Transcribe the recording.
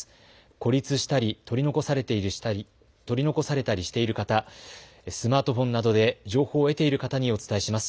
孤立したり取り残されたりしている方、スマートフォンなどで情報を得ている方にお伝えします。